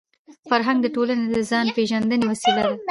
فرهنګ د ټولني د ځان پېژندني وسیله ده.